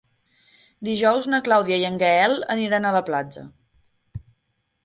Dijous na Clàudia i en Gaël aniran a la platja.